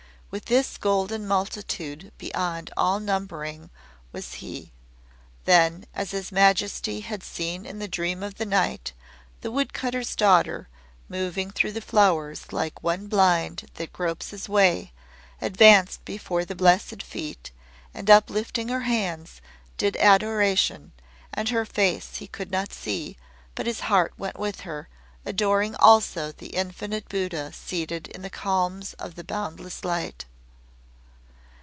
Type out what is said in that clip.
With this golden multitude beyond all numbering was He. Then, as His Majesty had seen in the dream of the night, the wood cutter's daughter, moving through the flowers like one blind that gropes his way, advanced before the Blessed Feet, and uplifting her hands, did adoration, and her face he could not see, but his heart went with her, adoring also the infinite Buddha seated in the calms of boundless Light.